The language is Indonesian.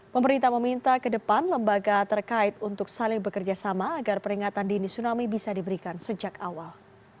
pemerintah meminta ke depan lembaga terkait untuk saling bekerja sama agar peringatan dini tsunami bisa diberikan sejak awal